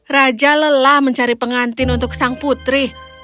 raja lelah mencari pengantin untuk sang putri